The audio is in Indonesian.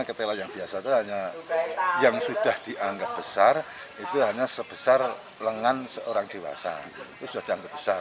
ketela yang biasa itu hanya yang sudah dianggap besar itu hanya sebesar lengan seorang dewasa itu sudah dianggap besar